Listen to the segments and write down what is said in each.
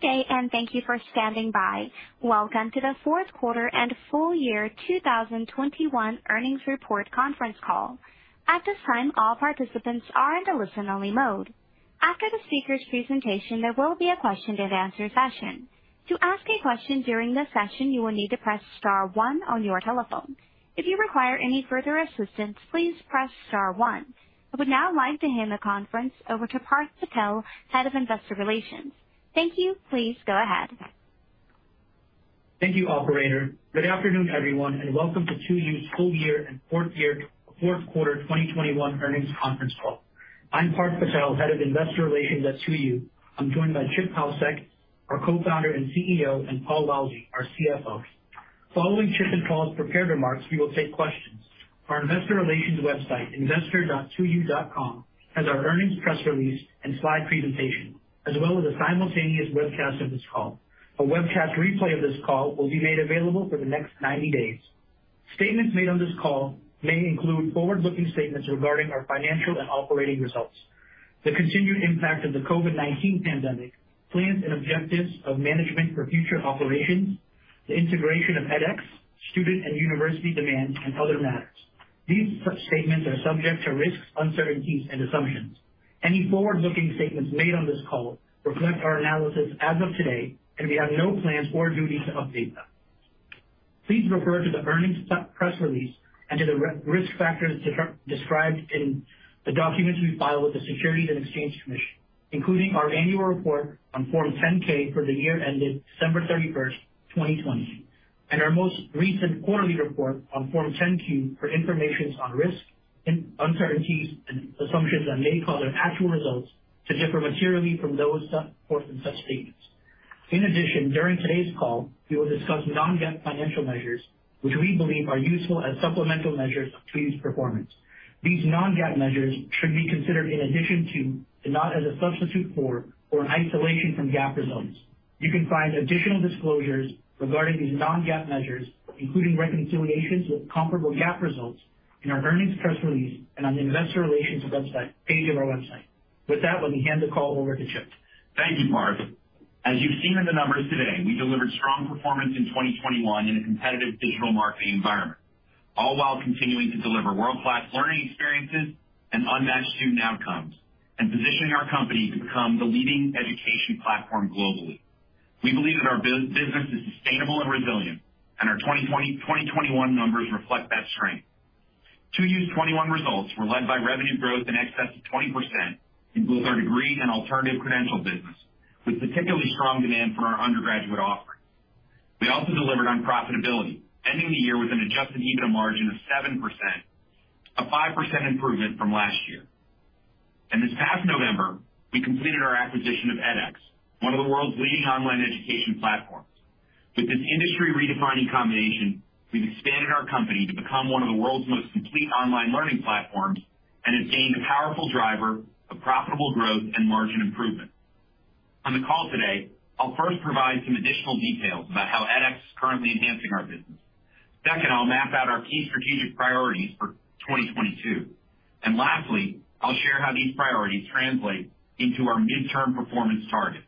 Good day, thank you for standing by. Welcome to the fourth quarter and full year 2021 earnings report conference call. At this time, all participants are in listen only mode. After the speaker's presentation, there will be a question and answer session. To ask a question during this session, you will need to press star one on your telephone. If you require any further assistance, please press star one. I would now like to hand the conference over to Parth Patel, Head of Investor Relations. Thank you. Please go ahead. Thank you, operator. Good afternoon, everyone, and welcome to 2U's full year and fourth quarter 2021 earnings conference call. I'm Parth Patel, Head of Investor Relations at 2U. I'm joined by Chip Paucek, our Co-founder and CEO, and Paul Lalljie, our CFO. Following Chip and Paul's prepared remarks, we will take questions. Our investor relations website, investor.2u.com, has our earnings press release and slide presentation as well as a simultaneous webcast of this call. A webcast replay of this call will be made available for the next 90 days. Statements made on this call may include forward-looking statements regarding our financial and operating results, the continued impact of the COVID-19 pandemic, plans and objectives of management for future operations, the integration of edX, student and university demand, and other matters. These statements are subject to risks, uncertainties and assumptions. Any forward-looking statements made on this call reflect our analysis as of today, and we have no plans or duty to update them. Please refer to the earnings press release and to the risk factors described in the documents we file with the Securities and Exchange Commission, including our annual report on Form 10-K for the year ended December 31st, 2020, and our most recent quarterly report on Form 10-Q for information on risks, uncertainties, and assumptions that may cause our actual results to differ materially from those set forth in such statements. In addition, during today's call, we will discuss non-GAAP financial measures which we believe are useful as supplemental measures of 2U's performance. These non-GAAP measures should be considered in addition to, and not as a substitute for or in isolation from GAAP results. You can find additional disclosures regarding these non-GAAP measures, including reconciliations with comparable GAAP results in our earnings press release and on the investor relations website page of our website. With that, let me hand the call over to Chip. Thank you, Parth. As you've seen in the numbers today, we delivered strong performance in 2021 in a competitive digital marketing environment, all while continuing to deliver world-class learning experiences and unmatched student outcomes and positioning our company to become the leading education platform globally. We believe that our business is sustainable and resilient, and our 2021 numbers reflect that strength. 2U's 2021 results were led by revenue growth in excess of 20% in both our degree and alternative credential business, with particularly strong demand for our undergraduate offerings. We also delivered on profitability, ending the year with an adjusted EBITDA margin of 7%, a 5% improvement from last year. This past November, we completed our acquisition of edX, one of the world's leading online education platforms. With this industry redefining combination, we've expanded our company to become one of the world's most complete online learning platforms and have gained a powerful driver of profitable growth and margin improvement. On the call today, I'll first provide some additional details about how edX is currently enhancing our business. Second, I'll map out our key strategic priorities for 2022. Lastly, I'll share how these priorities translate into our midterm performance targets.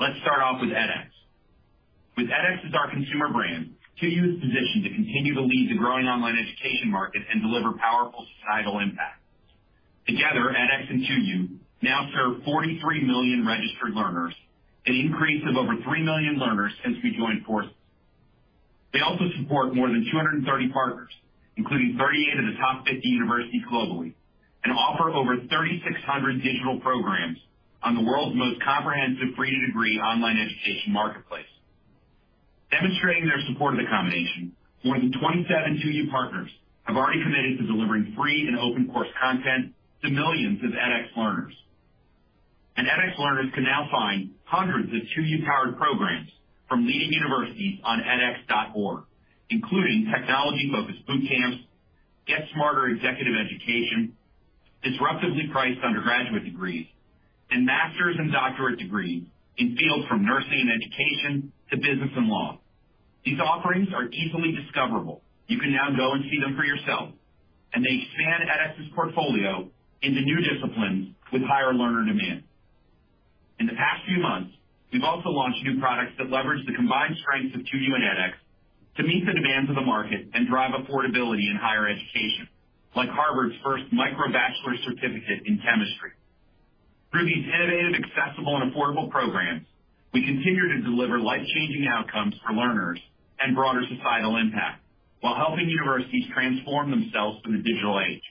Let's start off with edX. With edX as our consumer brand, 2U is positioned to continue to lead the growing online education market and deliver powerful societal impact. Together, edX and 2U now serve 43 million registered learners, an increase of over 3 million learners since we joined forces. They also support more than 230 partners, including 38 of the Top 50 universities globally, and offer over 3,600 digital programs on the world's most comprehensive free-to-degree online education marketplace. Demonstrating their support of the combination, more than 27 2U partners have already committed to delivering free and open course content to millions of edX learners. edX learners can now find hundreds of 2U-powered programs from leading universities on edx.org, including technology-focused boot camps, GetSmarter executive education, disruptively priced undergraduate degrees, and master's and doctorate degrees in fields from nursing and education to business and law. These offerings are easily discoverable. You can now go and see them for yourself, and they expand edX's portfolio into new disciplines with higher learner demand. In the past few months, we've also launched new products that leverage the combined strengths of 2U and edX to meet the demands of the market and drive affordability in higher education, like Harvard's first MicroBachelors certificate in chemistry. Through these innovative, accessible and affordable programs, we continue to deliver life-changing outcomes for learners and broader societal impact while helping universities transform themselves in the digital age.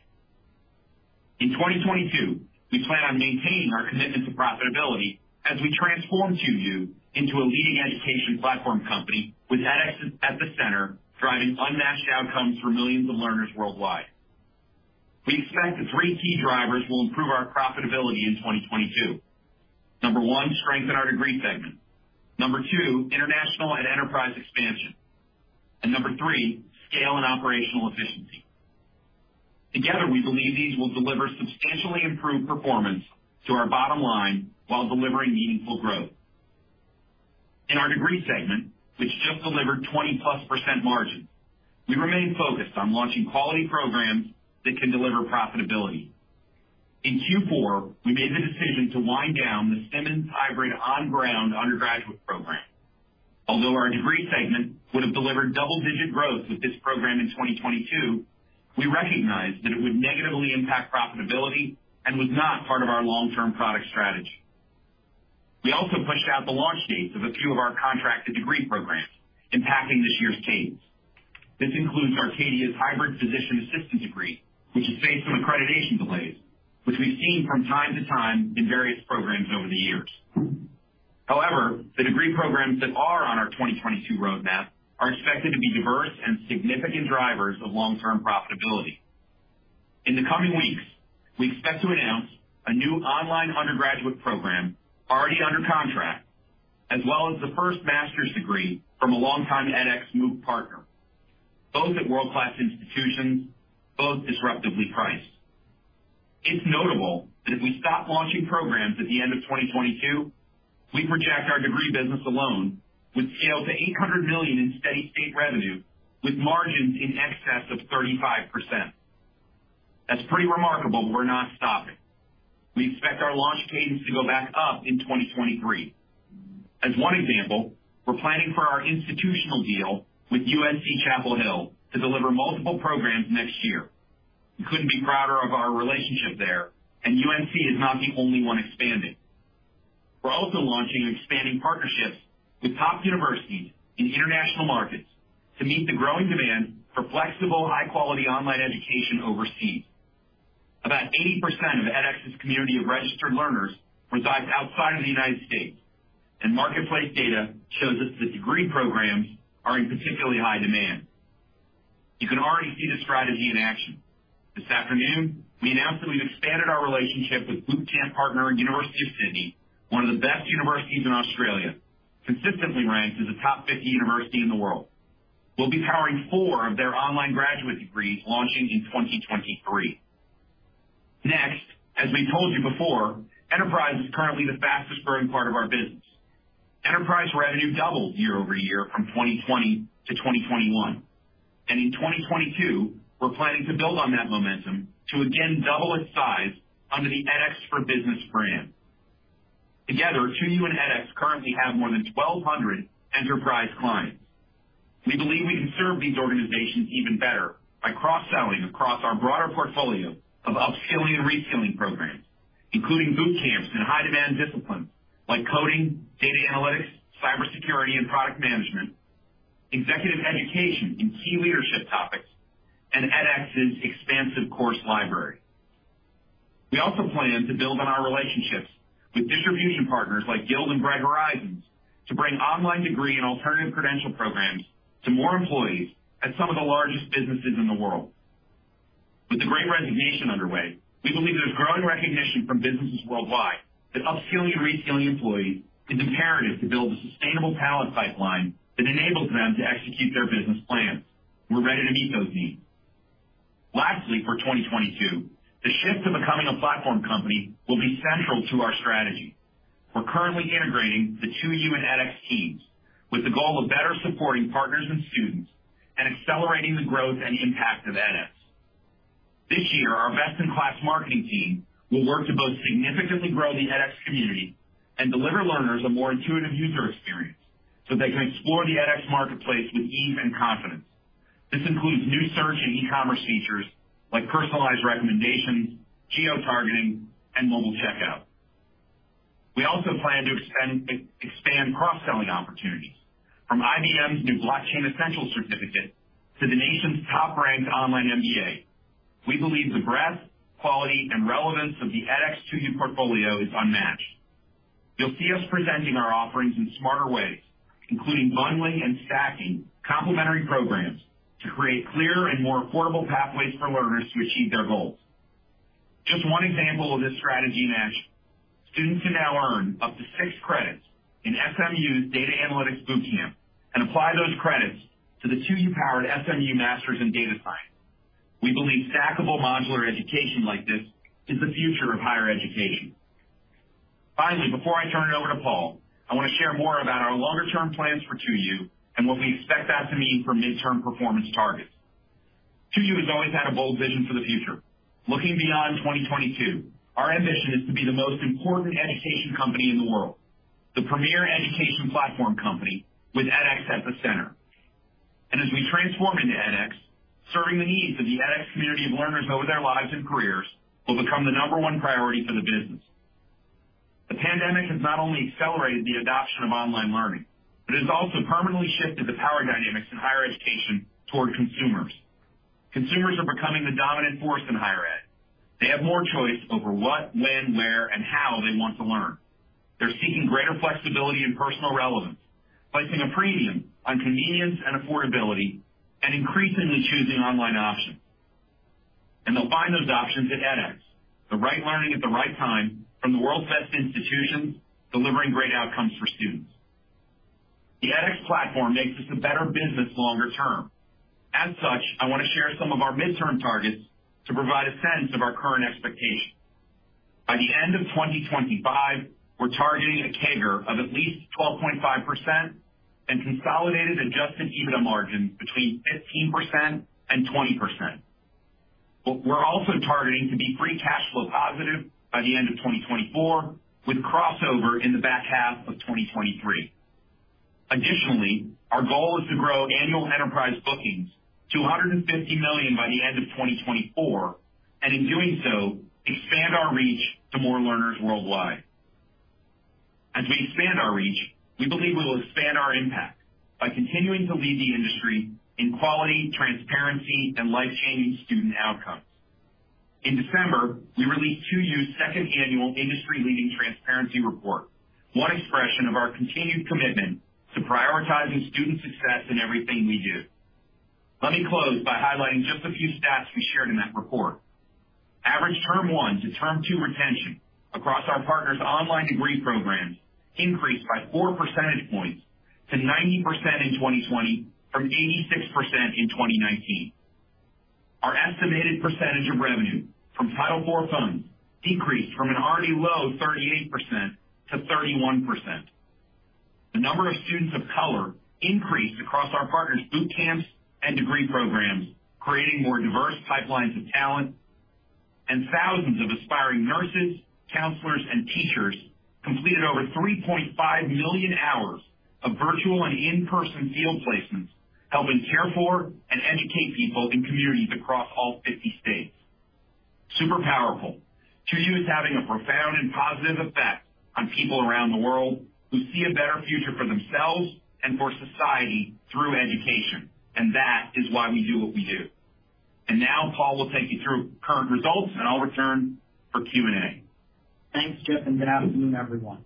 In 2022, we plan on maintaining our commitment to profitability as we transform 2U into a leading education platform company, with edX at the center, driving unmatched outcomes for millions of learners worldwide. We expect that three key drivers will improve our profitability in 2022. Number one, strengthen our Degree segment. Number two, international and enterprise expansion. Number three, scale and operational efficiency. Together, we believe these will deliver substantially improved performance to our bottom line while delivering meaningful growth. In our Degree Program segment, which just delivered 20%+ margin, we remain focused on launching quality programs that can deliver profitability. In Q4, we made the decision to wind down the Simmons hybrid on-ground undergraduate program. Although our Degree Program segment would have delivered double-digit growth with this program in 2022, we recognized that it would negatively impact profitability and was not part of our long-term product strategy. We also pushed out the launch dates of a few of our contracted degree programs, impacting this year's pace. This includes Arcadia's hybrid physician assistant degree, which has faced some accreditation delays, which we've seen from time to time in various programs over the years. However, the degree programs that are on our 2022 roadmap are expected to be diverse and significant drivers of long-term profitability. In the coming weeks, we expect to announce a new online undergraduate program already under contract, as well as the first master's degree from a longtime edX MOOC partner, both at world-class institutions, both disruptively priced. It's notable that if we stop launching programs at the end of 2022, we project our degree business alone would scale to $800 million in steady-state revenue, with margins in excess of 35%. That's pretty remarkable. We're not stopping. We expect our launch cadence to go back up in 2023. As one example, we're planning for our institutional deal with UNC Chapel Hill to deliver multiple programs next year. We couldn't be prouder of our relationship there, and UNC is not the only one expanding. We're also launching and expanding partnerships with top universities in international markets to meet the growing demand for flexible, high-quality online education overseas. About 80% of edX's community of registered learners resides outside of the U.S., and marketplace data shows us that degree programs are in particularly high demand. You can already see the strategy in action. This afternoon, we announced that we've expanded our relationship with Boot Camp partner, University of Sydney, one of the best universities in Australia, consistently ranked as a Top 50 university in the world. We'll be powering four of their online graduate degrees launching in 2023. Next, as we told you before, enterprise is currently the fastest growing part of our business. Enterprise revenue doubled year-over-year from 2020 to 2021. In 2022, we're planning to build on that momentum to again double its size under the edX for Business brand. Together, 2U and edX currently have more than 1,200 enterprise clients. We believe we can serve these organizations even better by cross-selling across our broader portfolio of upskilling and reskilling programs, including bootcamps in high-demand disciplines like coding, data analytics, cybersecurity and product management, executive education in key leadership topics, and edX's expansive course library. We also plan to build on our relationships with distribution partners like Guild and Bright Horizons to bring online degree and alternative credential programs to more employees at some of the largest businesses in the world. With the great resignation underway, we believe there's growing recognition from businesses worldwide that upskilling and reskilling employees is imperative to build a sustainable talent pipeline that enables them to execute their business plans. We're ready to meet those needs. Lastly, for 2022, the shift to becoming a platform company will be central to our strategy. We're currently integrating the 2U and edX teams with the goal of better supporting partners and students and accelerating the growth and impact of edX. This year, our best-in-class marketing team will work to both significantly grow the edX community and deliver learners a more intuitive user experience, so they can explore the edX marketplace with ease and confidence. This includes new search and e-commerce features like personalized recommendations, geotargeting, and mobile checkout. We also plan to expand cross-selling opportunities from IBM's new Blockchain Essentials certificate to the nation's top-ranked online MBA. We believe the breadth, quality, and relevance of the edX 2U portfolio is unmatched. You'll see us presenting our offerings in smarter ways, including bundling and stacking complementary programs to create clearer and more affordable pathways for learners to achieve their goals. Just one example of this strategy in action, students can now earn up to six credits in SMU Data Science Boot Camp and apply those credits to the 2U-powered SMU Master of Science in Data Science. We believe stackable modular education like this is the future of higher education. Finally, before I turn it over to Paul, I wanna share more about our longer-term plans for 2U and what we expect that to mean for midterm performance targets. 2U has always had a bold vision for the future. Looking beyond 2022, our ambition is to be the most important education company in the world, the premier education platform company with edX at the center. As we transform into edX, serving the needs of the edX community of learners over their lives and careers will become the number one priority for the business. The pandemic has not only accelerated the adoption of online learning, but it has also permanently shifted the power dynamics in higher education toward consumers. Consumers are becoming the dominant force in higher ed. They have more choice over what, when, where, and how they want to learn. They're seeking greater flexibility and personal relevance, placing a premium on convenience and affordability, and increasingly choosing online options. They'll find those options at edX, the right learning at the right time from the world's best institutions, delivering great outcomes for students. The edX platform makes this a better business longer term. As such, I wanna share some of our midterm targets to provide a sense of our current expectations. By the end of 2025, we're targeting a CAGR of at least 12.5% and consolidated adjusted EBITDA margin between 15%-20%. We're also targeting to be free cash flow positive by the end of 2024, with crossover in the back half of 2023. Additionally, our goal is to grow annual enterprise bookings to $150 million by the end of 2024, and in doing so, expand our reach to more learners worldwide. As we expand our reach, we believe we will expand our impact by continuing to lead the industry in quality, transparency, and life-changing student outcomes. In December, we released 2U's second annual industry-leading transparency report, one expression of our continued commitment to prioritizing student success in everything we do. Let me close by highlighting just a few stats we shared in that report. Average term one to term two retention across our partners' online Degree Programs increased by 4 percentage points to 90% in 2020 from 86% in 2019. Our estimated percentage of revenue from Title IV funds decreased from an already low 38%-31%. The number of students of color increased across our partners' boot camps and Degree Programs, creating more diverse pipelines of talent. Thousands of aspiring nurses, counselors, and teachers completed over 3.5 million hours of virtual and in-person field placements, helping care for and educate people in communities across all 50 states. Super powerful. 2U is having a profound and positive effect on people around the world who see a better future for themselves and for society through education, and that is why we do what we do. Now Paul will take you through current results, and I'll return for Q&A. Thanks, Chip, and good afternoon, everyone.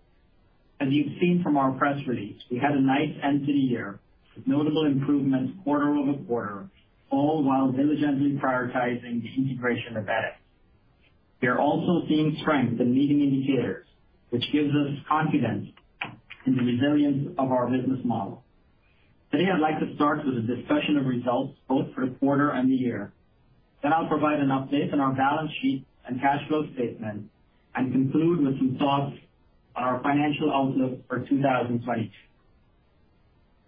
As you've seen from our press release, we had a nice end to the year, with notable improvements quarter over quarter, all while diligently prioritizing the integration of edX. We are also seeing strength in leading indicators, which gives us confidence in the resilience of our business model. Today, I'd like to start with a discussion of results, both for the quarter and the year. Then I'll provide an update on our balance sheet and cash flow statement and conclude with some thoughts on our financial outlook for 2022.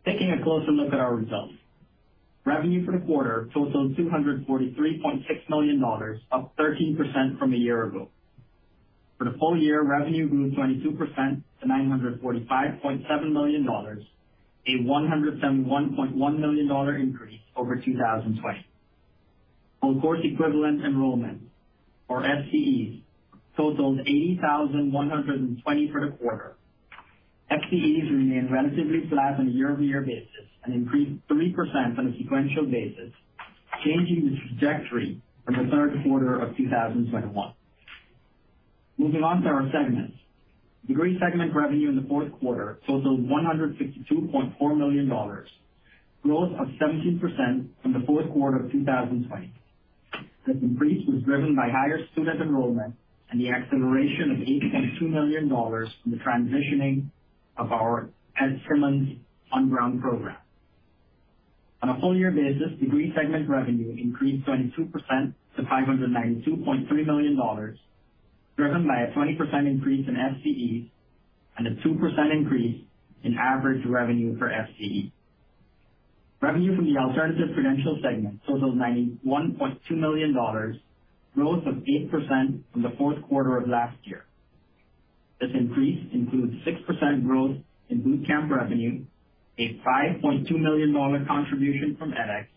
Taking a closer look at our results. Revenue for the quarter totaled $243.6 million, up 13% from a year ago. For the full year, revenue grew 22% to $945.7 million, a $171.1 million increase over 2020. Full course equivalent enrollment, or FCEs, totaled 80,120 for the quarter. FCEs remained relatively flat on a year-over-year basis and increased 3% on a sequential basis, changing the trajectory from the third quarter of 2021. Moving on to our segments. Degree segment revenue in the fourth quarter totaled $162.4 million, growth of 17% from the fourth quarter of 2020. This increase was driven by higher student enrollment and the acceleration of $8.2 million from the transitioning of our edX Simmons on-ground program. On a full year basis, Degree Program segment revenue increased 22% to $592.3 million, driven by a 20% increase in FCEs and a 2% increase in average revenue per FCE. Revenue from the Alternative Credential segment totaled $91.2 million, growth of 8% from the fourth quarter of last year. This increase includes 6% growth in boot camp revenue, a $5.2 million contribution from edX,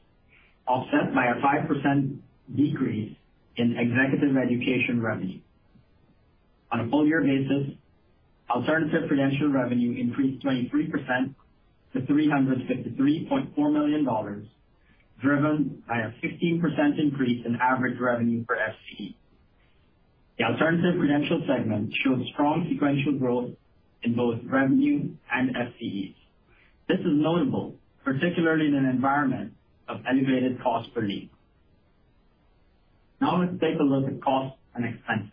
offset by a 5% decrease in executive education revenue. On a full year basis, Alternative Credential revenue increased 23% to $353.4 million, driven by a 15% increase in average revenue per FCE. The Alternative Credential segment showed strong sequential growth in both revenue and FCEs. This is notable, particularly in an environment of elevated cost per lead. Now let's take a look at costs and expenses.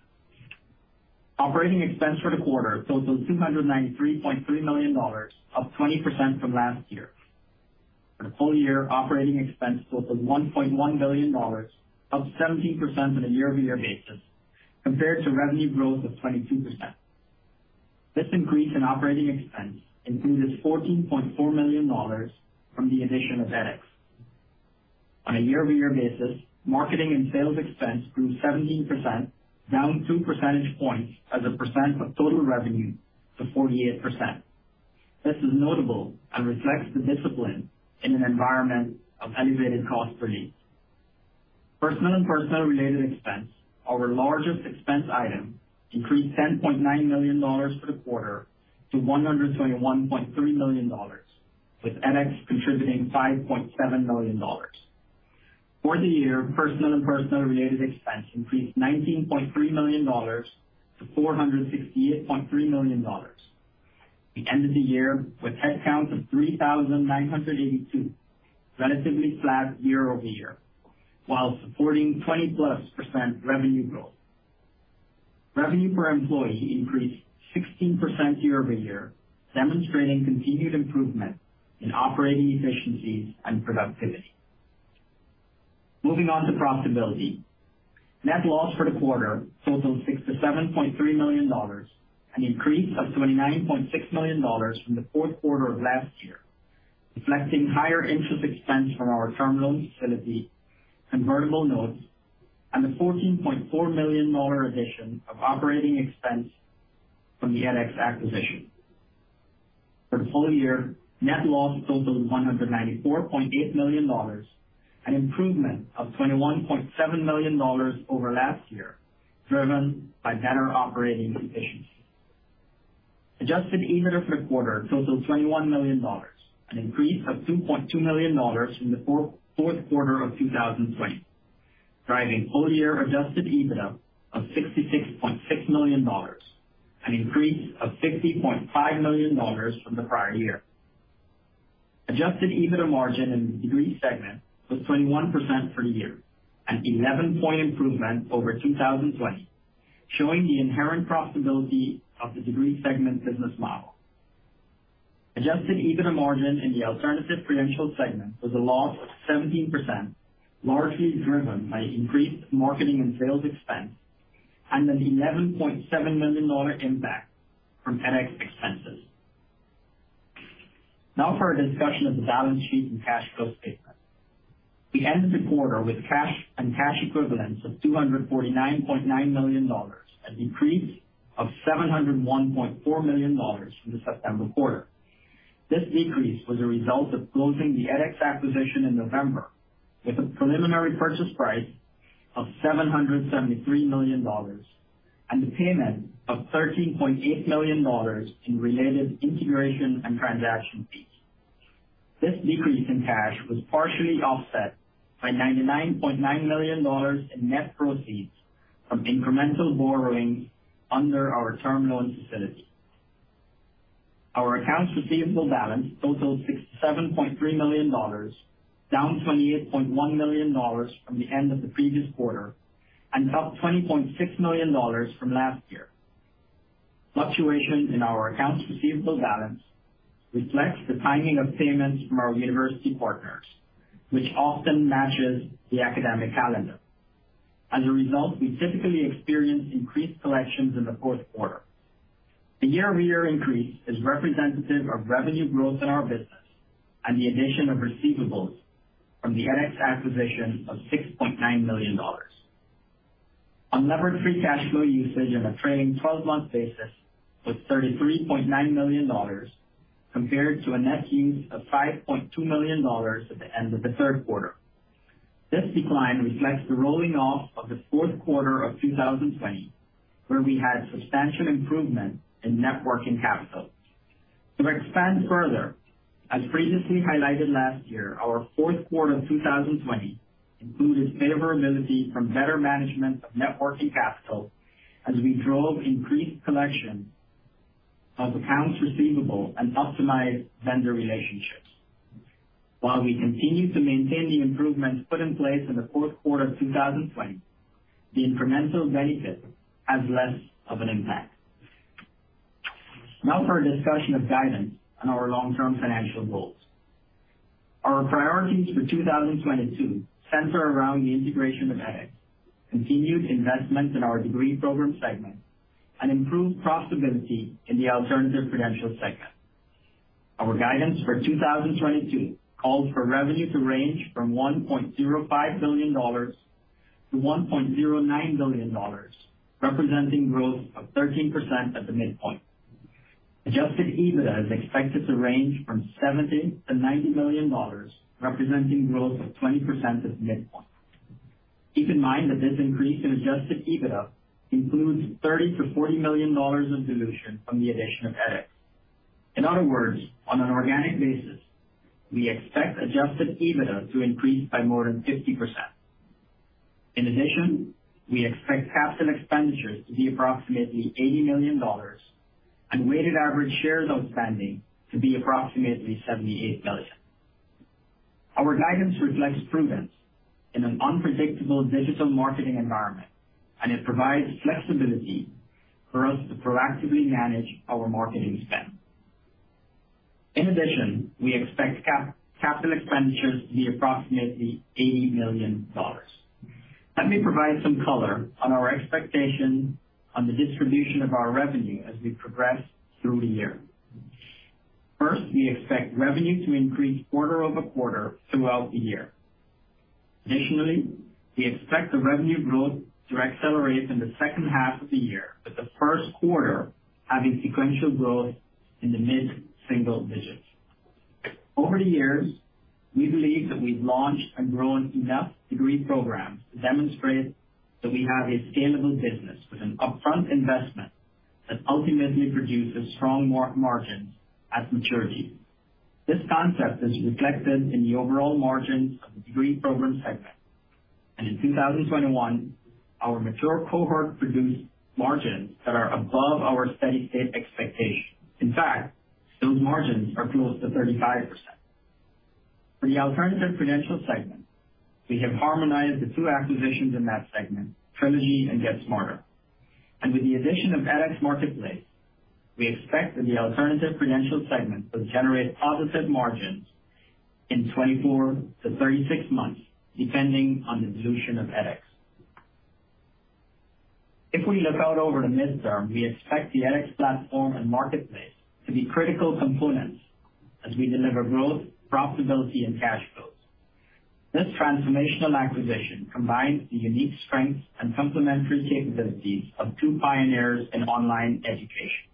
Operating expense for the quarter totaled $293.3 million, up 20% from last year. For the full year, operating expense totaled $1.1 billion, up 17% on a year-over-year basis compared to revenue growth of 22%. This increase in operating expense includes $14.4 million from the addition of edX. On a year-over-year basis, marketing and sales expense grew 17%, down 2 percentage points as a percent of total revenue to 48%. This is notable and reflects the discipline in an environment of elevated cost per lead. Personnel and personnel-related expense, our largest expense item, increased $10.9 million for the quarter to $121.3 million, with edX contributing $5.7 million. For the year, personnel and personnel-related expense increased $19.3 million-$468.3 million. We ended the year with headcounts of 3,982, relatively flat year-over-year, while supporting 20%+ revenue growth. Revenue per employee increased 16% year-over-year, demonstrating continued improvement in operating efficiencies and productivity. Moving on to profitability. Net loss for the quarter totaled $67.3 million, an increase of $29.6 million from the fourth quarter of last year, reflecting higher interest expense from our term loan facility convertible notes, and the $14.4 million addition of operating expense from the edX acquisition. For the full year, net loss totaled $194.8 million, an improvement of $21.7 million over last year, driven by better operating efficiency. Adjusted EBITDA for the quarter totaled $21 million, an increase of $2.2 million from the fourth quarter of 2020, driving full year adjusted EBITDA of $66.6 million, an increase of $60.5 million from the prior year. Adjusted EBITDA margin in the Degree segment was 21% for the year, an 11-point improvement over 2020, showing the inherent profitability of the Degree segment business model. Adjusted EBITDA margin in the Alternative Credential segment was a loss of 17%, largely driven by increased marketing and sales expense and an $11.7 million impact from edX expenses. Now for a discussion of the balance sheet and cash flow statement. We ended the quarter with cash and cash equivalents of $249.9 million, a decrease of $701.4 million from the September quarter. This decrease was a result of closing the edX acquisition in November with a preliminary purchase price of $773 million and the payment of $13.8 million in related integration and transaction fees. This decrease in cash was partially offset by $99.9 million in net proceeds from incremental borrowing under our term loan facility. Our accounts receivable balance totaled $67.3 million, down $28.1 million from the end of the previous quarter and up $20.6 million from last year. Fluctuations in our accounts receivable balance reflects the timing of payments from our university partners, which often matches the academic calendar. As a result, we typically experience increased collections in the fourth quarter. The year-over-year increase is representative of revenue growth in our business and the addition of receivables from the edX acquisition of $6.9 million. Unlevered free cash flow usage on a trailing 12 month basis was $33.9 million compared to a net use of $5.2 million at the end of the third quarter. This decline reflects the rolling off of the fourth quarter of 2020, where we had substantial improvement in working capital. To expand further, as previously highlighted last year, our fourth quarter of 2020 included favorability from better management of working capital as we drove increased collection of accounts receivable and optimized vendor relationships. While we continue to maintain the improvements put in place in the fourth quarter of 2020, the incremental benefit has less of an impact. Now for a discussion of guidance on our long-term financial goals. Our priorities for 2022 center around the integration of edX, continued investment in our Degree Program segment, and improved profitability in the Alternative Credential segment. Our guidance for 2022 calls for revenue to range from $1.05 billion-$1.09 billion, representing growth of 13% at the midpoint. Adjusted EBITDA is expected to range from $70 million-$90 million, representing growth of 20% at midpoint. Keep in mind that this increase in adjusted EBITDA includes $30 million-$40 million of dilution from the addition of edX. In other words, on an organic basis, we expect adjusted EBITDA to increase by more than 50%. In addition, we expect capital expenditures to be approximately $80 million and weighted average shares outstanding to be approximately 78 million. Our guidance reflects prudence in an unpredictable digital marketing environment, and it provides flexibility for us to proactively manage our marketing spend. In addition, we expect capital expenditures to be approximately $80 million. Let me provide some color on our expectation on the distribution of our revenue as we progress through the year. First, we expect revenue to increase quarter-over-quarter throughout the year. Additionally, we expect the revenue growth to accelerate in the second half of the year, with the first quarter having sequential growth in the mid-single digits. Over the years, we believe that we've launched and grown enough degree programs to demonstrate that we have a scalable business with an upfront investment that ultimately produces strong margins at maturity. This concept is reflected in the overall margins of the Degree Program segment. In 2021, our mature cohort produced margins that are above our steady state expectations. In fact, those margins are close to 35%. For the Alternative Credential segment, we have harmonized the two acquisitions in that segment, Trilogy and GetSmarter. With the addition of edX Marketplace, we expect that the Alternative Credential segment will generate positive margins in 24-36 months, depending on the dilution of edX. If we look out over the midterm, we expect the edX platform and marketplace to be critical components as we deliver growth, profitability, and cash flows. This transformational acquisition combines the unique strengths and complementary capabilities of two pioneers in online education.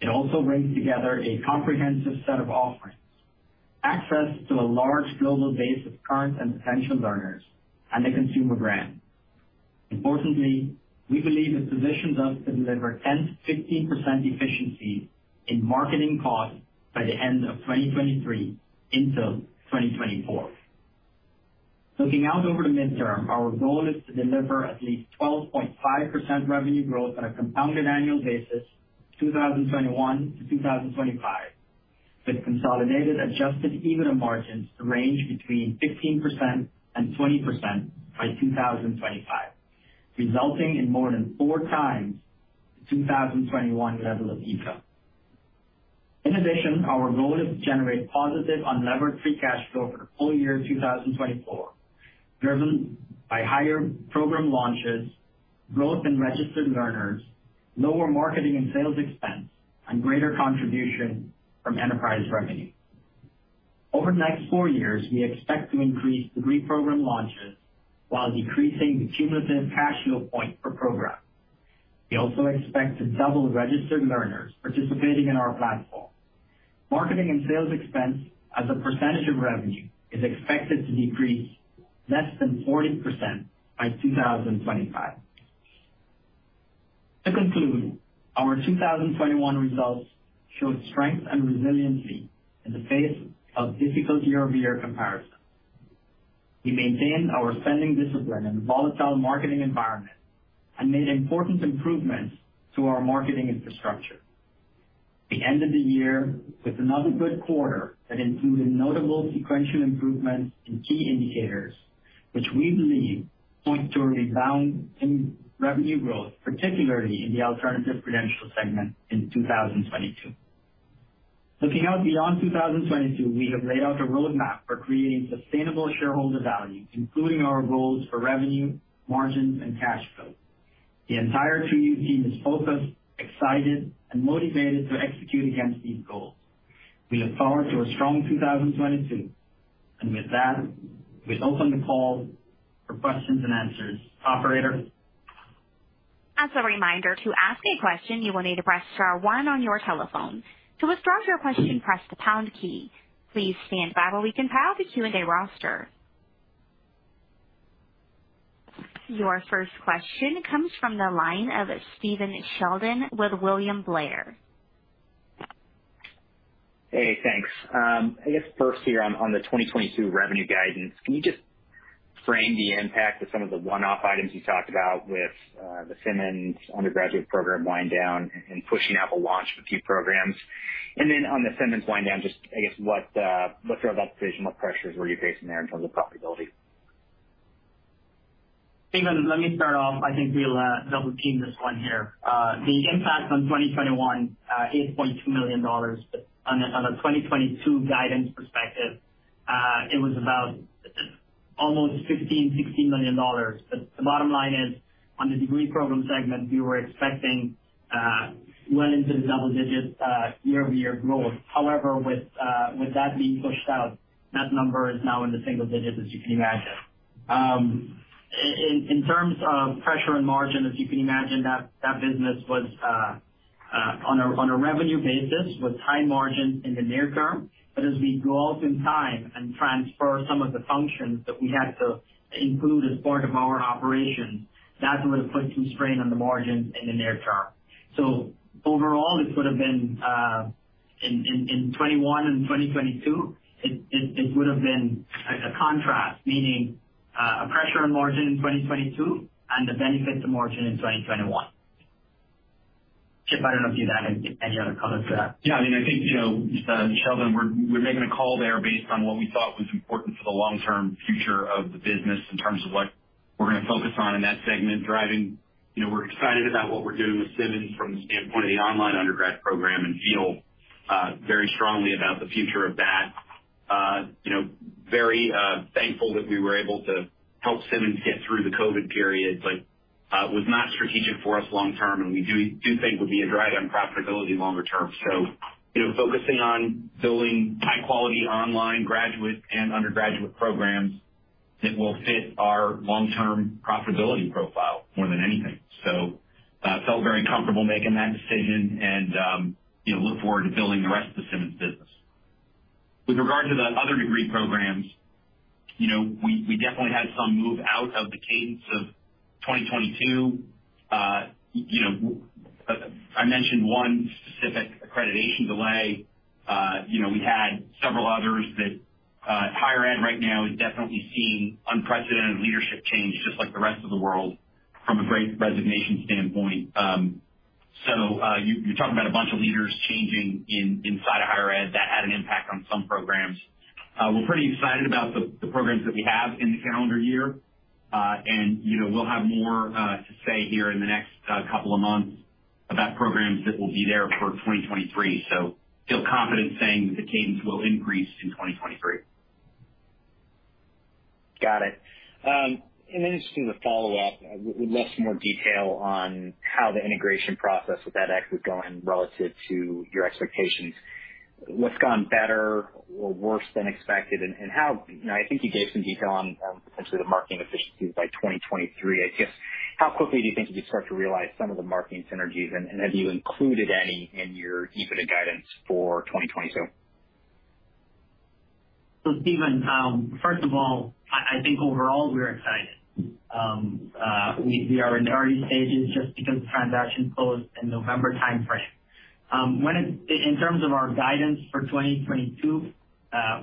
It also brings together a comprehensive set of offerings, access to a large global base of current and potential learners, and a consumer brand. Importantly, we believe it positions us to deliver 10%-15% efficiency in marketing costs by the end of 2023 into 2024. Looking out over the midterm, our goal is to deliver at least 12.5% revenue growth on a compounded annual basis, 2021 to 2025, with consolidated adjusted EBITDA margins to range between 15%-20% by 2025, resulting in more than four times the 2021 level of EBITDA. In addition, our goal is to generate positive unlevered free cash flow for the full year 2024, driven by higher program launches, growth in registered learners, lower marketing and sales expense, and greater contribution from enterprise revenue. Over the next four years, we expect to increase degree program launches while decreasing the cumulative cash use point per program. We also expect to double registered learners participating in our platform. Marketing and sales expense as a percentage of revenue is expected to decrease less than 40% by 2025. To conclude, our 2021 results showed strength and resiliency in the face of difficult year-over-year comparison. We maintained our spending discipline in a volatile marketing environment and made important improvements to our marketing infrastructure. The end of the year with another good quarter that included notable sequential improvements in key indicators, which we believe point to a rebound in revenue growth, particularly in the Alternative Credential segment in 2022. Looking out beyond 2022, we have laid out a roadmap for creating sustainable shareholder value, including our goals for revenue, margins, and cash flow. The entire 2U team is focused, excited, and motivated to execute against these goals. We look forward to a strong 2022, and with that, we open the call for questions and answers. Operator? As a reminder, to ask a question, you will need to press star one on your telephone. To withdraw your question, press the pound key. Please stand by while we compile the Q&A roster. Your first question comes from the line of Steven Sheldon with William Blair. Hey, thanks. I guess first here on the 2022 revenue guidance, can you just frame the impact of some of the one-off items you talked about with the Simmons undergraduate program wind down and pushing out the launch of a few programs? On the Simmons wind down, just, I guess, what sort of optimization, what pressures were you facing there in terms of profitability? Steven, let me start off. I think we'll double team this one here. The impact on 2021, $8.2 million. On the 2022 guidance perspective, it was about almost $15-$16 million. The bottom line is, on the Degree Program segment, we were expecting double digits year-over-year growth. However, with that being pushed out, that number is now in the single digits, as you can imagine. In terms of pressure on margin, as you can imagine, that business was on a revenue basis with high margins in the near term. As we go up in time and transfer some of the functions that we had to include as part of our operations, that would have put some strain on the margins in the near term. Overall, this would have been in 2021 and 2022, it would have been a contrast, meaning a pressure on margin in 2022 and the benefit to margin in 2021. Chip, I don't know if you had any other comments to that. Yeah. I mean, I think, you know, Sheldon, we're making a call there based on what we thought was important for the long-term future of the business in terms of what we're gonna focus on in that segment. You know, we're excited about what we're doing with Simmons from the standpoint of the online undergrad program and feel very strongly about the future of that. You know, very thankful that we were able to help Simmons get through the COVID period, but it was not strategic for us long term, and we do think it would be a drag on profitability longer term. You know, focusing on building high quality online graduate and undergraduate programs that will fit our long-term profitability profile more than anything. Felt very comfortable making that decision and, you know, look forward to building the rest of the Simmons business. With regard to the other degree programs, you know, we definitely had some move out of the cadence of 2022. You know, I mentioned one specific accreditation delay. You know, we had several others that, higher ed right now is definitely seeing unprecedented leadership change just like the rest of the world from a great resignation standpoint. You, you're talking about a bunch of leaders changing inside of higher ed that had an impact on some programs. We're pretty excited about the programs that we have in the calendar year. You know, we'll have more to say here in the next couple of months about programs that will be there for 2023. I feel confident saying that the cadence will increase in 2023. Got it. We'd love some more detail on how the integration process with edX was going relative to your expectations. What's gone better or worse than expected? And how you know, I think you gave some detail on potentially the marketing efficiencies by 2023. I guess, how quickly do you think you could start to realize some of the marketing synergies? And have you included any in your EBITDA guidance for 2022? Steven, first of all, I think overall we're excited. We are in the early stages just because the transaction closed in November timeframe. In terms of our guidance for 2022,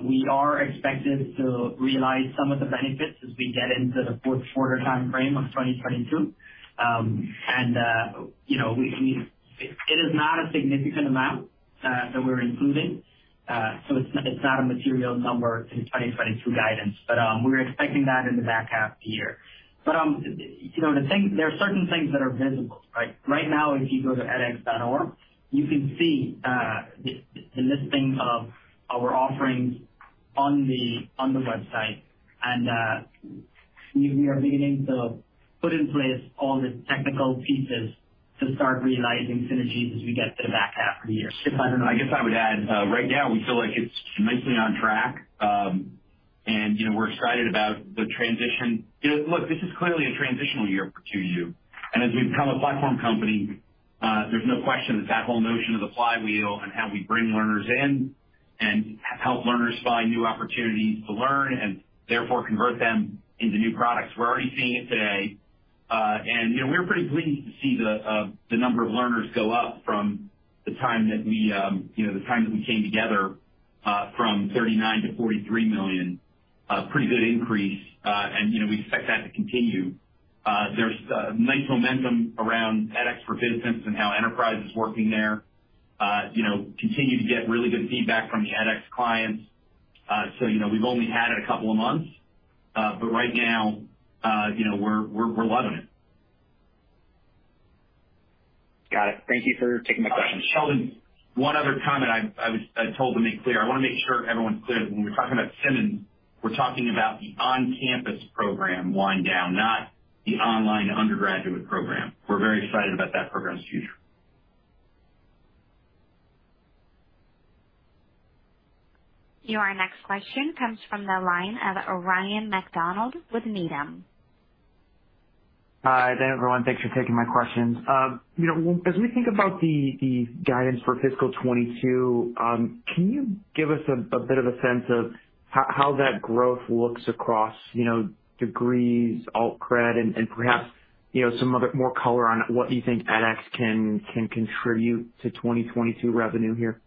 we are expected to realize some of the benefits as we get into the fourth quarter timeframe of 2022. You know, it is not a significant amount that we're including. It's not a material number in 2022 guidance, but we're expecting that in the back half of the year. You know, there are certain things that are visible, right? Right now, if you go to edx.org, you can see the listing of our offerings on the website. We are beginning to put in place all the technical pieces to start realizing synergies as we get to the back half of the year. I guess I would add, right now we feel like it's nicely on track. You know, we're excited about the transition. You know, look, this is clearly a transitional year for 2U. As we become a platform company, there's no question it's that whole notion of the flywheel and how we bring learners in and help learners find new opportunities to learn and therefore convert them into new products. We're already seeing it today. You know, we were pretty pleased to see the number of learners go up from the time that we came together, from 39-43 million. A pretty good increase. You know, we expect that to continue. There's nice momentum around edX for Business and how Enterprise is working there. You know, continue to get really good feedback from the edX clients. You know, we've only had it a couple of months, but right now, you know, we're loving it. Got it. Thank you for taking my question. Sheldon, one other comment. I was told to make clear. I wanna make sure everyone's clear that when we're talking about Simmons, we're talking about the on-campus program wind down, not the online undergraduate program. We're very excited about that program's future. Your next question comes from the line of Ryan MacDonald with Needham. Hi. Good day, everyone. Thanks for taking my questions. You know, as we think about the guidance for fiscal 2022, can you give us a bit of a sense of how that growth looks across, you know, degrees, alt-cred, and perhaps some other more color on what you think edX can contribute to 2022 revenue here?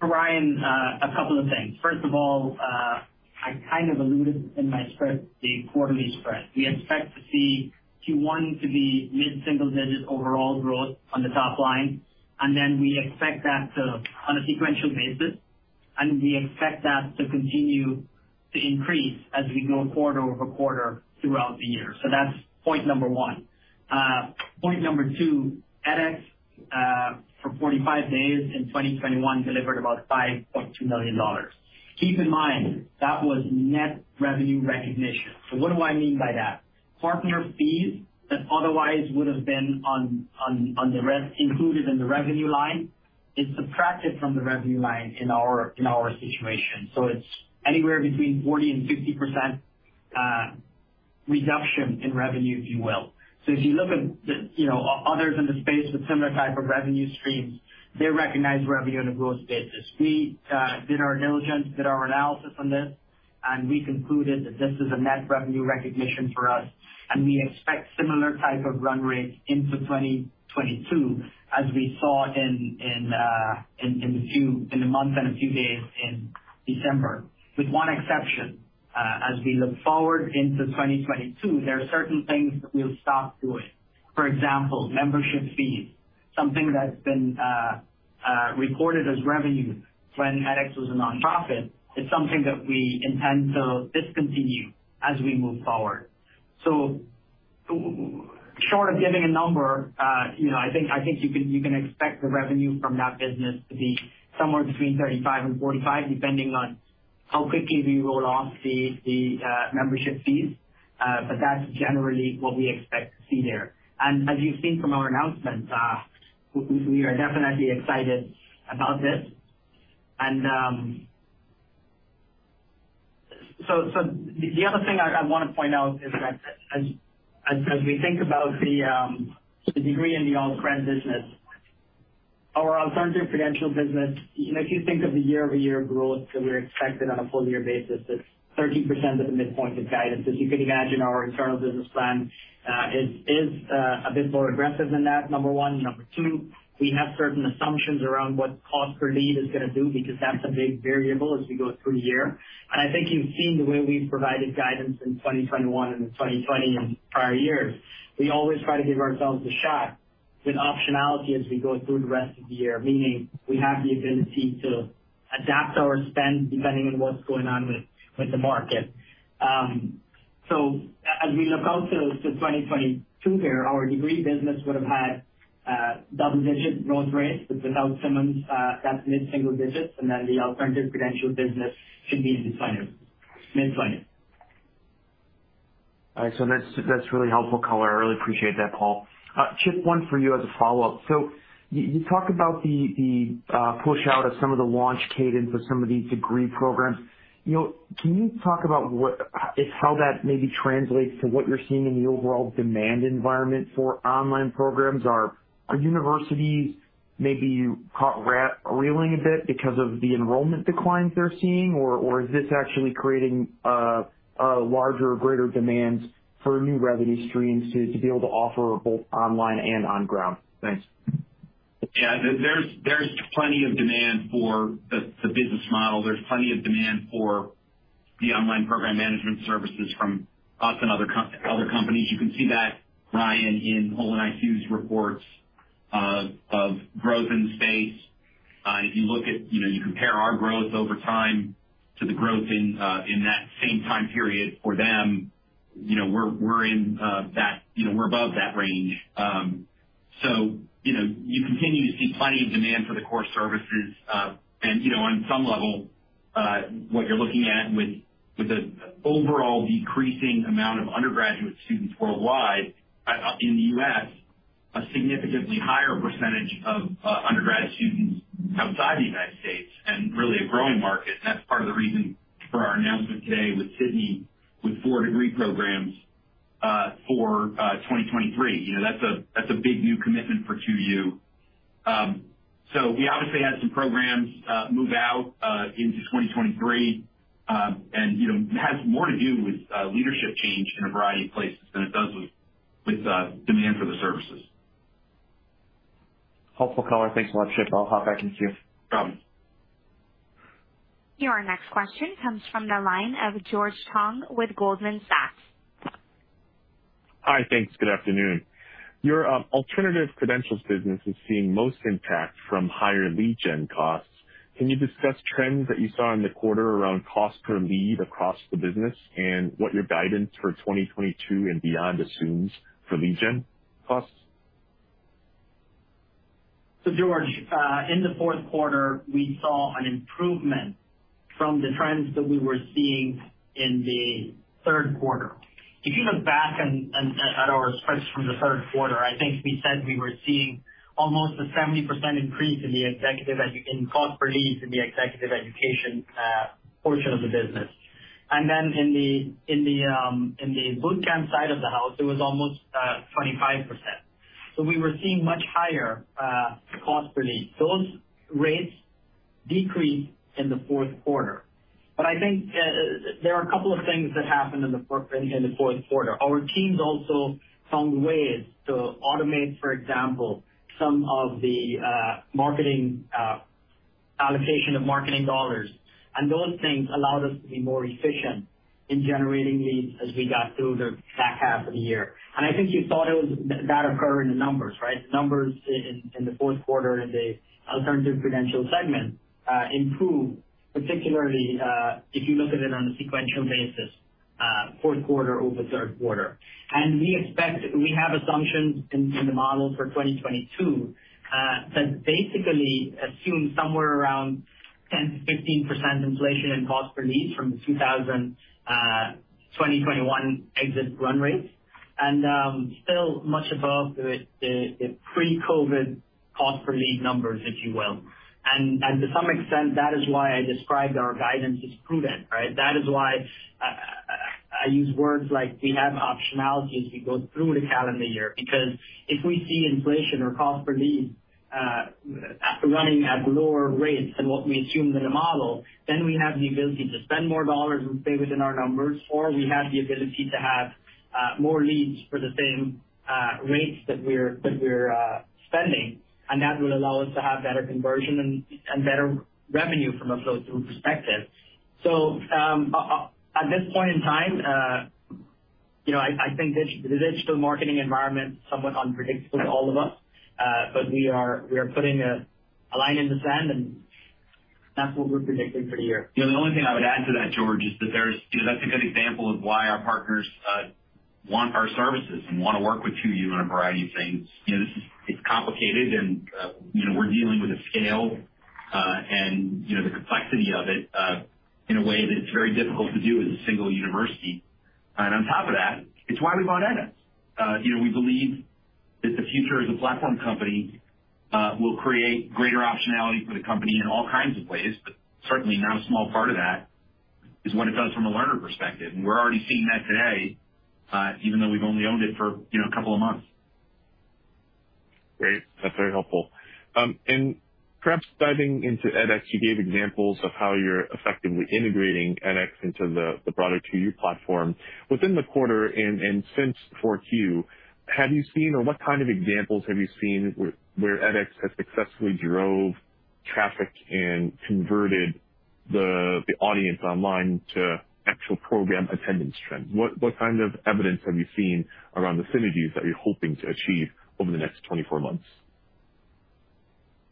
Ryan, a couple of things. First of all, I kind of alluded in my script the quarterly spread. We expect to see Q1 to be mid-single digit overall growth on the top line. Then we expect that to, on a sequential basis, continue to increase as we go quarter-over-quarter throughout the year. That's point number one. Point number two, edX, for 45 days in 2021 delivered about $5.2 million. Keep in mind, that was net revenue recognition. What do I mean by that? Partner fees that otherwise would've been included in the revenue line are subtracted from the revenue line in our situation. It's anywhere between 40% and 60% reduction in revenue, if you will. As you look at the others in the space with similar type of revenue streams, they recognize revenue on a gross basis. We did our diligence, did our analysis on this, and we concluded that this is a net revenue recognition for us, and we expect similar type of run rate into 2022 as we saw in the month and a few days in December, with one exception. As we look forward into 2022, there are certain things that we'll stop doing. For example, membership fees. Something that's been recorded as revenue when edX was a nonprofit. It's something that we intend to discontinue as we move forward. Short of giving a number, you know, I think you can expect the revenue from that business to be somewhere between $35-$45, depending on how quickly we roll off the membership fees. But that's generally what we expect to see there. As you've seen from our announcements, we are definitely excited about this. The other thing I wanna point out is that as we think about the degree in the alt-cred business, our Alternative Credential business, you know, if you think of the year-over-year growth that we're expecting on a full year basis, it's 13% at the midpoint of guidance. As you can imagine, our internal business plan is a bit more aggressive than that, number one. Number two, we have certain assumptions around what cost per lead is gonna do because that's a big variable as we go through a year. I think you've seen the way we've provided guidance in 2021 and in 2020 and prior years. We always try to give ourselves a shot with optionality as we go through the rest of the year, meaning we have the ability to adapt our spend depending on what's going on with the market. So as we look out to 2022 here, our degree business would have had double-digit growth rates. Without Simmons, that's mid-single digits, and then the alternative credential business should be in the same, mid-single. All right. That's really helpful color. I really appreciate that, Paul. Chip, one for you as a follow-up. You talk about the push out of some of the launch cadence of some of the degree programs. You know, can you talk about what how that maybe translates to what you're seeing in the overall demand environment for online programs? Are universities maybe caught reeling a bit because of the enrollment declines they're seeing, or is this actually creating a larger or greater demands for new revenue streams to be able to offer both online and on ground? Thanks. Yeah, there's plenty of demand for the business model. There's plenty of demand for the online program management services from us and other companies. You can see that, Brian, in HolonIQ's reports of growth in the space. If you look at, you know, you compare our growth over time to the growth in that same time period for them, you know, we're in that, you know, we're above that range. You know, you continue to see plenty of demand for the core services. You know, on some level, what you're looking at with the overall decreasing amount of undergraduate students worldwide, in the U.S., a significantly higher percentage of undergrad students outside the U.S. and really a growing market. That's part of the reason for our announcement today with Sydney with four degree programs for 2023. You know, that's a big new commitment for 2U. We obviously had some programs move out into 2023. It has more to do with leadership change in a variety of places than it does with demand for the services. Helpful color. Thanks a lot, Chip. I'll hop back in queue. No problem. Your next question comes from the line of George Tong with Goldman Sachs. Hi. Thanks. Good afternoon. Your Alternative Credentials business is seeing most impact from higher lead gen costs. Can you discuss trends that you saw in the quarter around cost per lead across the business and what your guidance for 2022 and beyond assumes for lead gen costs? George, in the fourth quarter, we saw an improvement from the trends that we were seeing in the third quarter. If you look back and at our spends from the third quarter, I think we said we were seeing almost a 70% increase in cost per lead in the executive education portion of the business. Then in the boot camp side of the house, it was almost 25%. We were seeing much higher cost per lead. Those rates decreased in the fourth quarter. I think there are a couple of things that happened in the fourth quarter. Our teams also found ways to automate, for example, some of the marketing allocation of marketing dollars. Those things allowed us to be more efficient in generating leads as we got through the back half of the year. I think you saw that occur in the numbers, right? The numbers in the fourth quarter in the Alternative Credential segment improved, particularly if you look at it on a sequential basis, fourth quarter over third quarter. We have assumptions in the model for 2022 that basically assume somewhere around 10%-15% inflation in cost per lead from the 2021 exit run rates, and still much above the pre-COVID cost per lead numbers, if you will. To some extent, that is why I described our guidance as prudent, right? That is why I use words like we have optionality as we go through the calendar year, because if we see inflation or cost per lead running at lower rates than what we assume in the model, then we have the ability to spend more dollars and stay within our numbers, or we have the ability to have more leads for the same rates that we're spending. That will allow us to have better conversion and better revenue from a flow through perspective. At this point in time, you know, I think the digital marketing environment is somewhat unpredictable to all of us, but we are putting a line in the sand, and that's what we're predicting for the year. You know, the only thing I would add to that, George, is that there's, you know, that's a good example of why our partners want our services and wanna work with 2U on a variety of things. You know, this is complicated and, you know, we're dealing with a scale and, you know, the complexity of it in a way that it's very difficult to do as a single university. On top of that, it's why we bought edX. You know, we believe that the future as a platform company will create greater optionality for the company in all kinds of ways, but certainly not a small part of that is what it does from a learner perspective. We're already seeing that today, even though we've only owned it for, you know, a couple of months. Great. That's very helpful. Perhaps diving into edX, you gave examples of how you're effectively integrating edX into the broader 2U platform. Within the quarter and since Q4, have you seen or what kind of examples have you seen where edX has successfully drove traffic and converted The online audience to actual program attendance trends. What kind of evidence have you seen around the synergies that you're hoping to achieve over the next 24 months?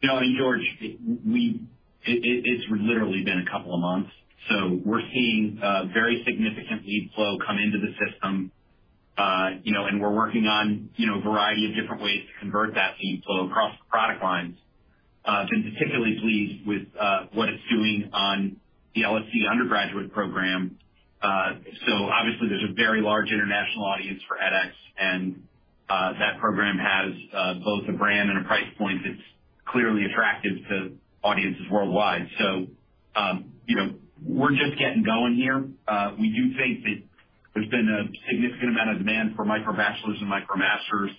You know, George, it's literally been a couple of months, so we're seeing very significant lead flow come into the system. You know, we're working on a variety of different ways to convert that lead flow across the product lines. We've been particularly pleased with what it's doing on the LSE undergraduate program. Obviously, there's a very large international audience for edX, and that program has both a brand and a price point that's clearly attractive to audiences worldwide. You know, we're just getting going here. We do think that there's been a significant amount of demand for MicroBachelors and MicroMasters.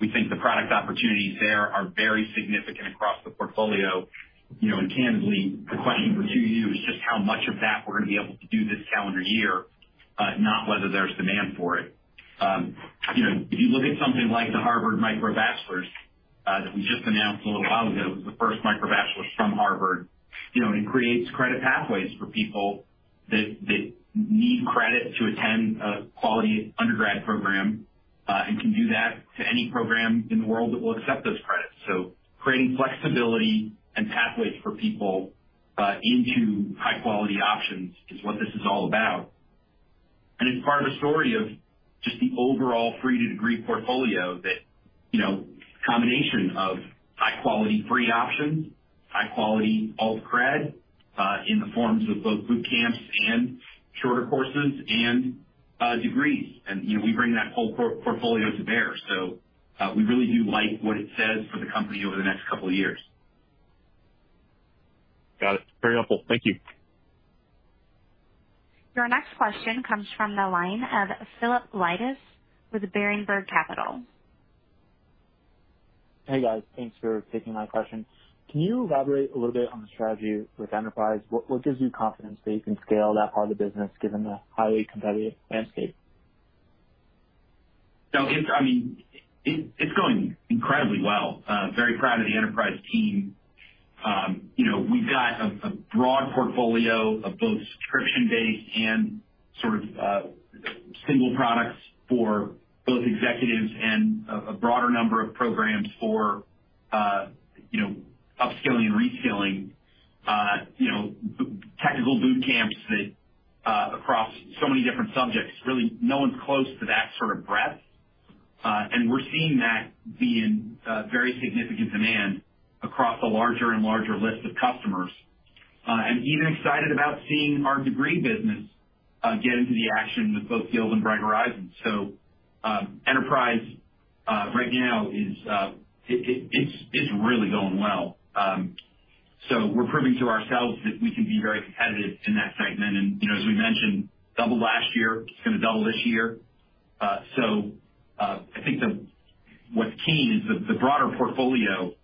We think the product opportunities there are very significant across the portfolio. You know, candidly, the question for you is just how much of that we're gonna be able to do this calendar year, not whether there's demand for it. You know, if you look at something like the Harvard MicroBachelors that we just announced a little while ago, the first MicroBachelors from Harvard, you know, and it creates credit pathways for people that need credit to attend a quality undergrad program, and can do that to any program in the world that will accept those credits. Creating flexibility and pathways for people into high-quality options is what this is all about. It's part of the story of just the overall free to degree portfolio that, you know, combination of high-quality free options, high-quality alt cred in the forms of both boot camps and shorter courses and degrees. You know, we bring that whole portfolio to bear. We really do like what it says for the company over the next couple of years. Got it. Very helpful. Thank you. Your next question comes from the line of Philip Leytes with Berenberg Capital. Hey, guys. Thanks for taking my question. Can you elaborate a little bit on the strategy with Enterprise? What gives you confidence that you can scale that part of the business given the highly competitive landscape? I mean, it's going incredibly well. Very proud of the Enterprise team. You know, we've got a broad portfolio of both subscription-based and sort of single products for both executives and a broader number of programs for, you know, upskilling and reskilling, you know, technical boot camps that across so many different subjects, really no one's close to that sort of breadth. We're seeing that being in very significant demand across a larger and larger list of customers. I'm even excited about seeing our degree business get into the action with both Guild and Bright Horizons. Enterprise right now is really going well. We're proving to ourselves that we can be very competitive in that segment. You know, as we mentioned, doubled last year, it's gonna double this year. I think what's key is the broader portfolio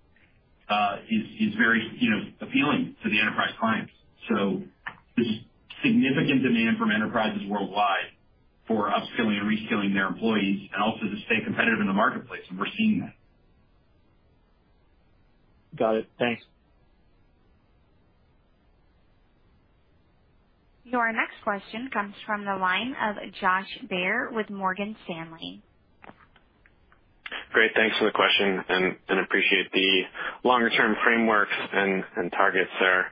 is very, you know, appealing to the enterprise clients. There's significant demand from enterprises worldwide for upskilling and reskilling their employees and also to stay competitive in the marketplace, and we're seeing that. Got it. Thanks. Your next question comes from the line of Josh Baer with Morgan Stanley. Great. Thanks for the question and appreciate the longer term frameworks and targets there.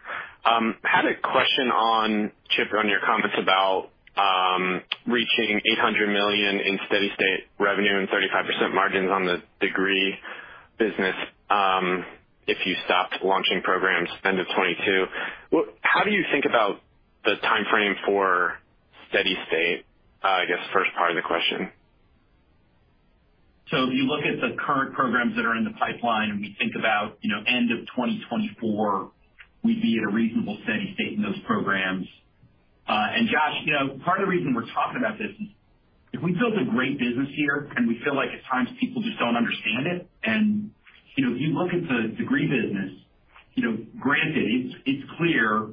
Had a question on Chip, on your comments about reaching $800 million in steady state revenue and 35% margins on the degree business, if you stopped launching programs end of 2022. How do you think about the timeframe for steady state? I guess, first part of the question. If you look at the current programs that are in the pipeline and we think about, you know, end of 2024, we'd be at a reasonable steady state in those programs. Josh, you know, part of the reason we're talking about this is we built a great business here, and we feel like at times people just don't understand it. You know, if you look at the degree business, you know, granted, it's clear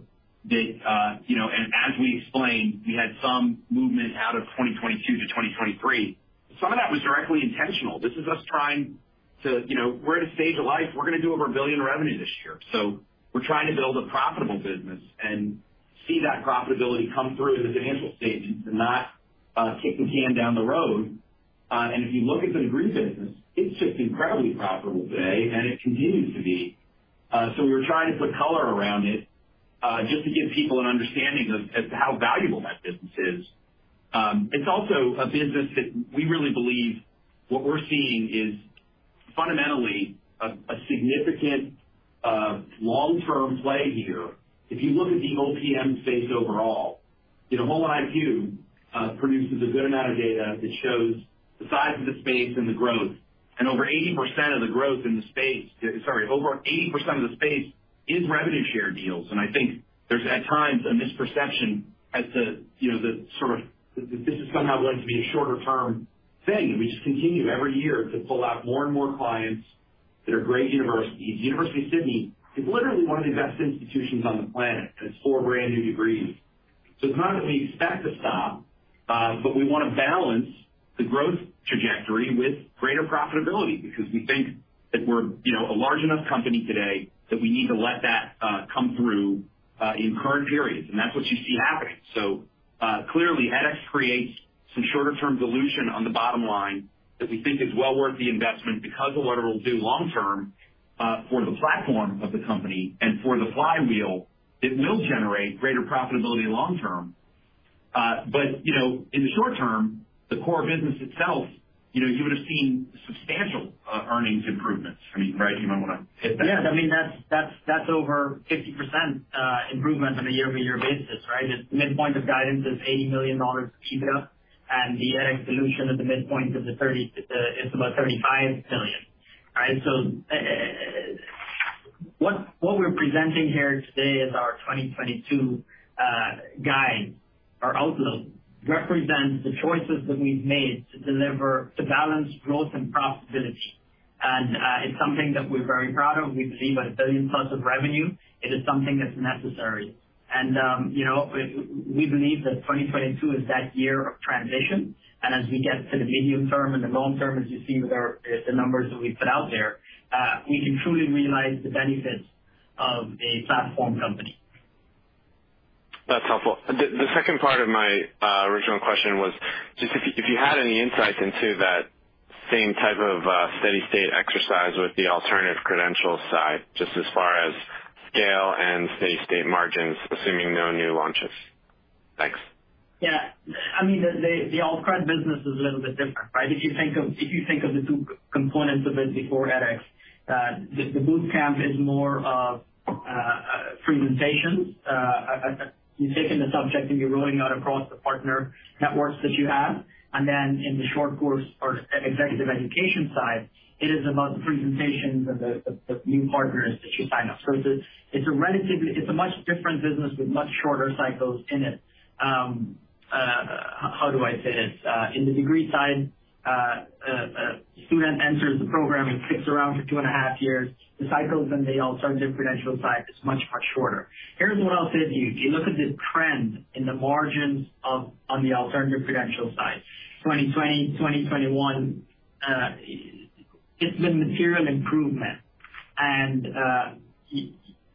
that, you know, and as we explained, we had some movement out of 2022 to 2023. Some of that was directly intentional. This is us trying to, you know, we're at a stage of life. We're gonna do over $1 billion revenue this year. We're trying to build a profitable business and see that profitability come through in the financial statements and not kick the can down the road. If you look at the degree business, it's just incredibly profitable today, and it continues to be. We were trying to put color around it, just to give people an understanding of how valuable that business is. It's also a business that we really believe what we're seeing is fundamentally a significant long-term play here. If you look at the OPM space overall, you know, HolonIQ produces a good amount of data that shows the size of the space and the growth. Over 80% of the space is revenue share deals. I think there's at times a misperception as to the sort of that this is somehow going to be a shorter term thing. We just continue every year to pull out more and more clients that are great universities. University of Sydney is literally one of the best institutions on the planet, and it's four brand new degrees. It's not that we expect to stop, but we wanna balance the growth trajectory with greater profitability because we think that we're a large enough company today that we need to let that come through in current periods. That's what you see happening. Clearly, edX creates some shorter term dilution on the bottom line that we think is well worth the investment because of what it'll do long term for the platform of the company and for the flywheel. It will generate greater profitability long term. You know, in the short term, the core business itself, you know, you would have seen substantial earnings improvements. I mean, right, you might wanna hit that. Yes. I mean, that's over 50% improvement on a year-over-year basis, right? The midpoint of guidance is $80 million EBITDA, and the edX dilution at the midpoint is about $35 million, right? What we're presenting here today is our 2022 guide. Our outlook represents the choices that we've made to balance growth and profitability. It's something that we're very proud of. We believe at $1 billion+ of revenue, it is something that's necessary. You know, we believe that 2022 is that year of transition. As we get to the medium term and the long term, as you see with the numbers that we've put out there, we can truly realize the benefits of a platform company. That's helpful. The second part of my original question was just if you had any insights into that same type of steady state exercise with the Alternative Credentials side, just as far as scale and steady state margins, assuming no new launches. Thanks. Yeah. I mean, the Alternative Credential business is a little bit different, right? If you think of the two components of it before edX, the Boot Camp is more of presentations. You've taken the subject and you're rolling out across the partner networks that you have. In the short course or executive education side, it is about the presentations and the new partners that you sign up. It's a relatively much different business with much shorter cycles in it. How do I say this? In the Degree Program side, a student enters the program and sticks around for two and a half years. The cycles on the Alternative Credential side is much, much shorter. Here's what I'll say to you. If you look at the trend in the margins on the Alternative Credential side, 2020, 2021, it's been material improvement.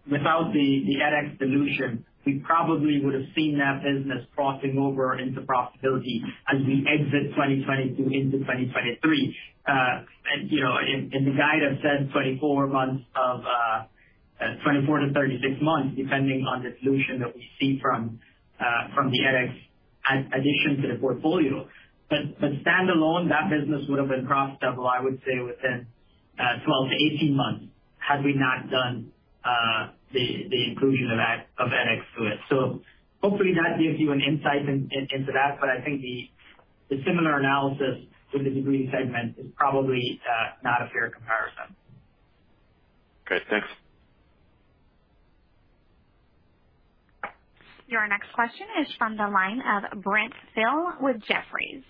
Without the edX dilution, we probably would have seen that business crossing over into profitability as we exit 2022 into 2023. The guidance says 24-36 months, depending on the dilution that we see from the edX addition to the portfolio. Standalone, that business would have been profitable, I would say, within 12-18 months had we not done the inclusion of edX to it. Hopefully that gives you an insight into that. I think the similar analysis with the Degree Program segment is probably not a fair comparison. Okay, thanks. Your next question is from the line of Brent Thill with Jefferies.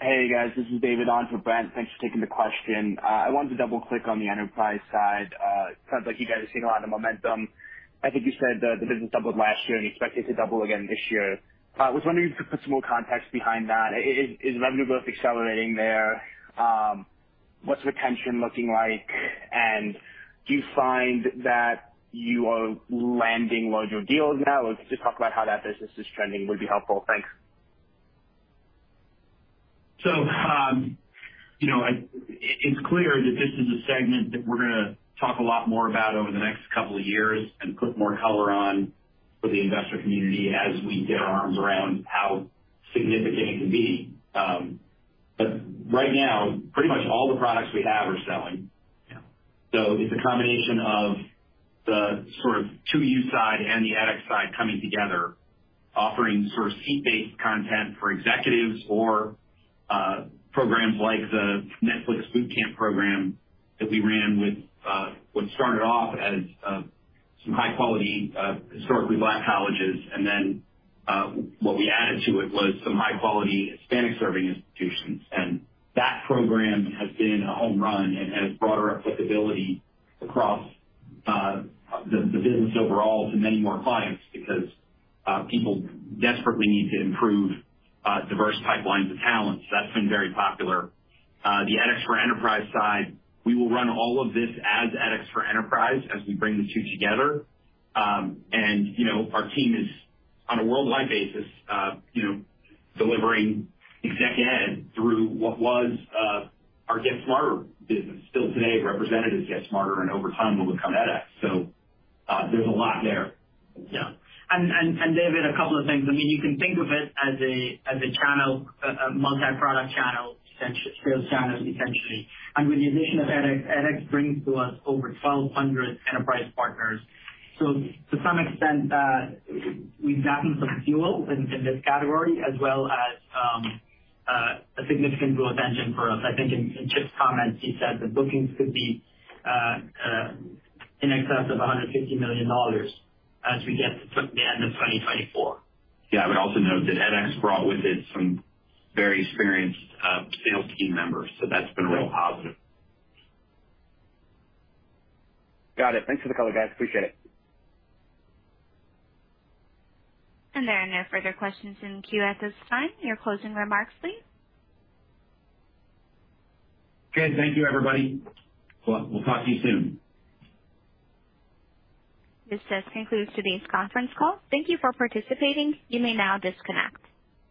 Hey, guys. This is David on for Brent. Thanks for taking the question. I wanted to double click on the enterprise side. Sounds like you guys are seeing a lot of momentum. I think you said the business doubled last year and you expect it to double again this year. Was wondering if you could put some more context behind that. Is revenue accelerating there? What's retention looking like? And do you find that you are landing larger deals now? If you could just talk about how that business is trending would be helpful. Thanks. You know, it's clear that this is a segment that we're gonna talk a lot more about over the next couple of years and put more color on for the investor community as we get our arms around how significant it can be. Right now, pretty much all the products we have are selling. Yeah. It's a combination of the sort of 2U side and the edX side coming together, offering sort of seat-based content for executives or programs like the Netflix Bootcamp program that we ran with what started off as some high quality historically Black colleges. What we added to it was some high quality Hispanic serving institutions. That program has been a home run and has broader applicability across the business overall to many more clients because people desperately need to improve diverse pipelines of talent. That's been very popular. The edX for Business side, we will run all of this as edX for Business as we bring the two together. Our team is on a worldwide basis, you know, delivering exec ed through what was our GetSmarter business. Still today, representatives GetSmarter and over time will become edX. There's a lot there. David, a couple of things. I mean, you can think of it as a channel, a multiproduct channel, sales channel essentially. With the addition of edX brings to us over 1,200 enterprise partners. To some extent, we've gotten some fuel in this category as well as a significant growth engine for us. I think in Chip's comments, he said that bookings could be in excess of $150 million as we get to the end of 2024. Yeah. I would also note that edX brought with it some very experienced, sales team members, so that's been real positive. Got it. Thanks for the color, guys. Appreciate it. There are no further questions in queue at this time. Your closing remarks please. Okay. Thank you, everybody. We'll talk to you soon. This just concludes today's conference call. Thank you for participating. You may now disconnect.